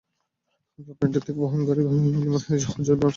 রাত নয়টায় তাঁকে বহনকারী বিমান হজরত শাহজালাল আন্তর্জাতিক বিমানবন্দরে অবতরণ করে।